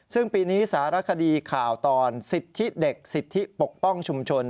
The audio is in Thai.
ซึ่งปีนี้สารคดีข่าวตอนสิทธิเด็กสิทธิปกป้องชุมชน